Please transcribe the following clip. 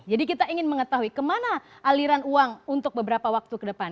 jadi kita ingin mengetahui kemana aliran uang untuk beberapa waktu ke depan